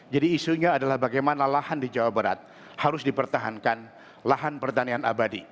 isunya adalah bagaimana lahan di jawa barat harus dipertahankan lahan pertanian abadi